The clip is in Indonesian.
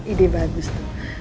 ide bagus tuh